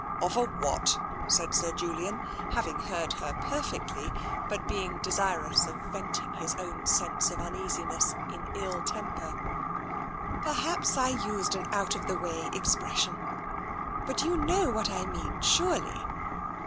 " "Of a what?" said Sir Julian, having heard her perfectly, but being desirous of venting his own sense of uneasiness in ill temper. 238 TENSION " Perhaps I used an out of the way expression. But you know what I mean, surely.